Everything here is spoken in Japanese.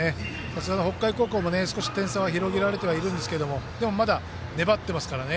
それで北海高校も少し点差は広げられてはいるんですがでも、まだ粘ってますからね。